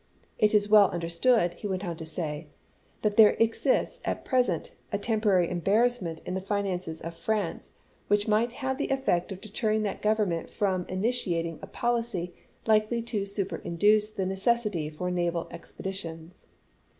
"It is well understood," he went on to say, " that there exists, at present, a temporary embarrassment in the finances of France, which might have the effect of deterring that Grovernment from initiating a policy likely to superinduce the necessity for naval expeditions.